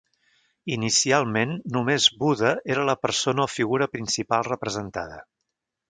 Inicialment, només Buda era la persona o figura principal representada.